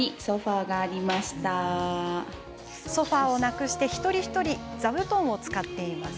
ソファーをなくして一人一人、座布団を使っています。